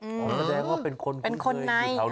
อ๋อแสดงว่าเป็นคนพูดเคยเป็นคนใน